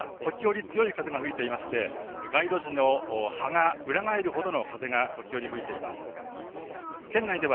ただ風は時折強い風が吹いていまして街路樹の葉が裏返るほどの風が時折吹いています。